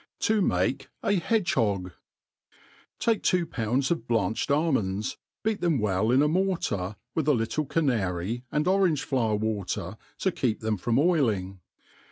To make a Hedge Hog* TAKE two pounds of blanched almonds, beat them well in a mortar, with a little canary and orange Hower water, to keep ihem from oiling.